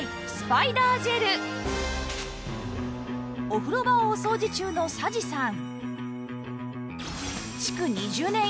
お風呂場をお掃除中の佐治さん